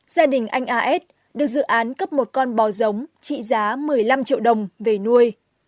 gia đình anh a s được dự án cấp một con bò giống trị giá một mươi năm triệu đồng về nuôi